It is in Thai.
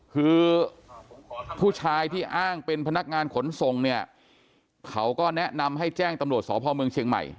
คือผู้ชายที่อ้างเป็นพนักงานขนส่งเนี่ยเขาก็แนะนำให้แจ้งตำรวจสพเมืองเชียงใหม่